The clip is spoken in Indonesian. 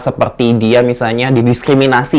seperti dia misalnya didiskriminasi